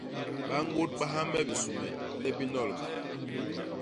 Ba ñôdbaha me bisume le bi nol me.